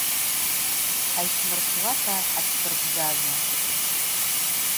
Хӏайшвмырсуата хӏацшвырбзаза.